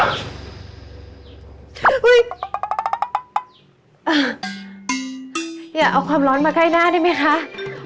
อ่ะอย่าเอามาแคร่หน้าได้ไหมคะอ่ะ